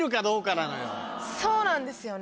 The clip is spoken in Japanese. そうなんですよね